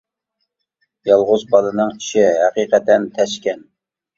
يالغۇز بالىنىڭ ئىشى ھەقىقەتەن تەس ئىكەن.